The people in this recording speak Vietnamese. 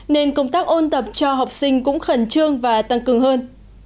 nên công tác ôn tập cho học sinh cũng khẩn trương và tăng cường hơn